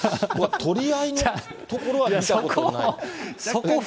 取り合いのところは見たことない。